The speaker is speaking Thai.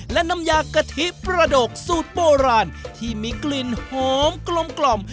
และน้ำยากะทิประดกสูตรโบราณที่มีกลิ่นหอมกลม